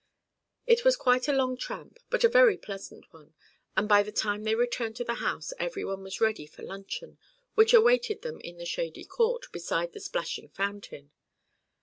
It was quite a long tramp, but a very pleasant one, and by the time they returned to the house everyone was ready for luncheon, which awaited them in the shady court, beside the splashing fountain.